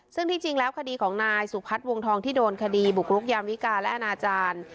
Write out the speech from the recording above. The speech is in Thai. ซึ่งที่จริงแล้วคดีของนายสุพัฒน์วงทองที่โดนคดีบุกรุกยามวิกาและอนาจารย์